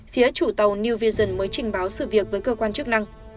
phía chủ tàu new vision mới trình báo sự việc với cơ quan chức năng